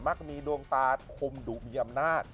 ักมีดวงตาคมดุมีอำนาจ